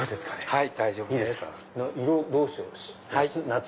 はい。